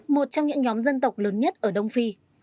một trong những nhóm dân tộc lớn nhất ở đông phi